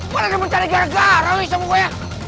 mana temen cari gara gara lo nih sama gue